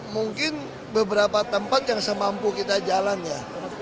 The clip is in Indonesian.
mungkin beberapa tempat yang semampu kita jalan ya